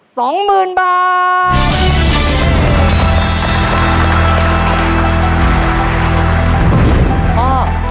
สองหมื่นบาท